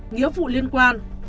nghĩa vụ liên quan